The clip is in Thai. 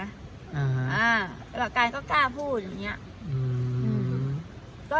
อ่าประการก็กล้าพูดอย่างเงี้ยอืมอืม